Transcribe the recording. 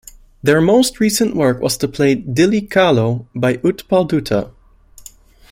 Their most recent work was the play "Dilli Chalo" by Utpal Dutta.